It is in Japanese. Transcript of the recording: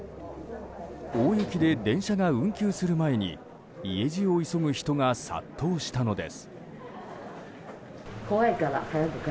大雪で電車が運休する前に家路を急ぐ人が殺到したのです。